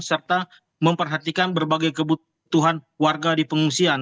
serta memperhatikan berbagai kebutuhan warga di pengungsian